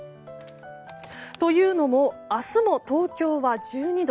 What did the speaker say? というのも明日も東京は１２度。